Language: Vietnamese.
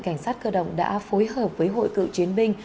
cảnh sát cơ động đã phối hợp với hội cựu chiến binh